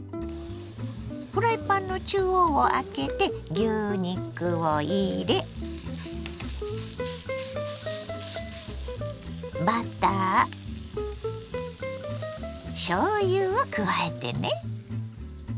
フライパンの中央をあけて牛肉を入れバターしょうゆを加えてね。